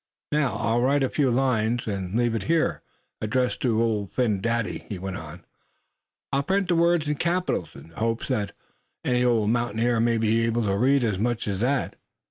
"Now, I'll write a few lines, and leave it here, addressed to Phin Dady," he went on. "I'll print the words in capitals, in the hopes that the old mountaineer may be able to read as much as that.